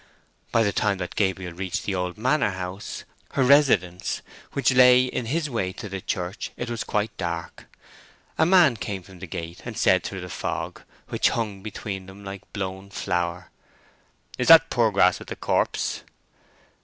By the time that Gabriel reached the old manor house, her residence, which lay in his way to the church, it was quite dark. A man came from the gate and said through the fog, which hung between them like blown flour— "Is that Poorgrass with the corpse?"